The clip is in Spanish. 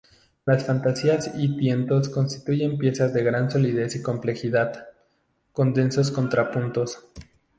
Las fantasías y tientos constituyen piezas de gran solidez y complejidad, con densos contrapuntos.